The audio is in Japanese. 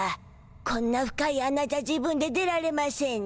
こんな深い穴じゃ自分で出られましぇんな。